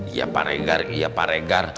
iya pak regar iya pak regar